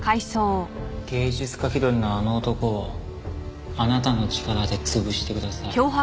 芸術家気取りのあの男をあなたの力で潰してください。